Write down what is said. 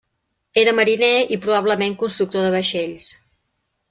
Era mariner i probablement constructor de vaixells.